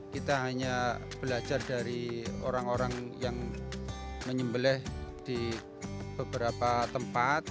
kita hanya belajar dari orang orang yang menyembelih di beberapa tempat